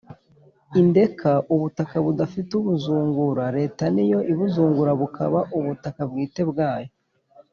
Indeka: ubutaka budafite ababuzungura. Leta ni yo ibuzungura bukaba ubutaka bwite bwayo;